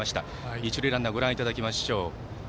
一塁ランナーご覧いただきましょう。